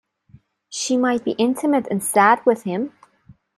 She might be intimate and sad with him.